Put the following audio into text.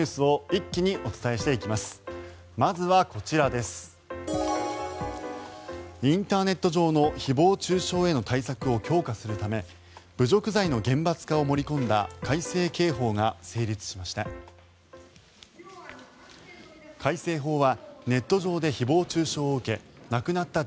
インターネット上の誹謗・中傷への対策を強化するため侮辱罪の厳罰化を盛り込んだ改正刑法が成立しました。